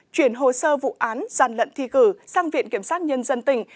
chuyển hồ sơ vụ án gian lận thi cử sang viện kiểm sát nhân dân tỉnh